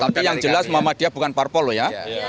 tapi yang jelas muhammadiyah bukan parpol loh ya